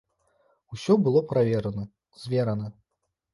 Усё было праверана, зверана.